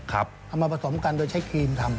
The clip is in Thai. ระมาประสงค์กันโดยใช้ครีมทำ